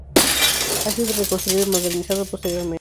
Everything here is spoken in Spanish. Ha sido reconstruido y modernizado posteriormente.